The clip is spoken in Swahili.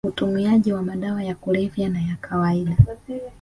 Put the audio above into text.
utumiaji wa madawa ya kulevya na ya kawaida